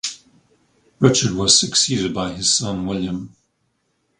Richard was succeeded by his son William.